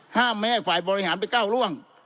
ห้ามไม่ให้ฝ่ายบริหารไปก้าวร่วง